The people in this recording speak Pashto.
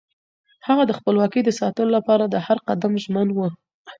هغه د خپلواکۍ د ساتلو لپاره د هر قدم ژمن و.